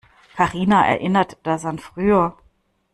Karina erinnert das an früher.